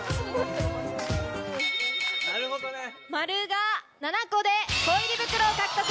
「○」が７個で。